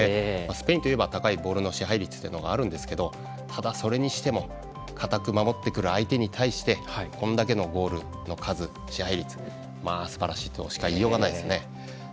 スペインといえば高いボールの支配率というのがあるんですけどただ、それにしても堅く守ってくる相手に対してこれだけのゴールの数支配率、すばらしいとしか言いようがないですね。